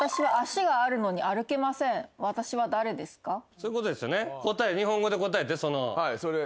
そういうことですよね。